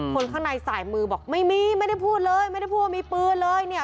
คนข้างในสายมือบอกไม่มีไม่ได้พูดเลยไม่ได้พูดว่ามีปืนเลยเนี่ย